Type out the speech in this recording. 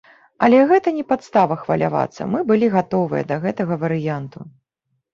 Але гэта не падстава хвалявацца, мы былі гатовыя да гэтага варыянту.